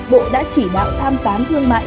bộ đã chỉ đạo tham phán thương mại